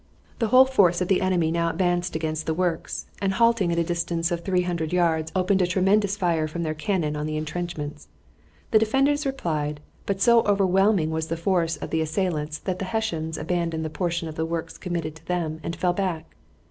The whole force of the enemy now advanced against the works, and halting at a distance of three hundred yards opened a tremendous fire from their cannon on the intrenchments. The defenders replied, but so overwhelming was the force of the assailants that the Hessians abandoned the portion of the works committed to them and fell back.